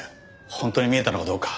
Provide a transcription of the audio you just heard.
本当に見えたのかどうか。